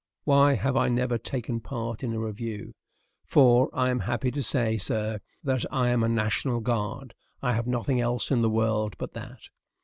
Why have I never taken part in a review? for I am happy to say, sir, that I am a national guard; I have nothing else in the world but that.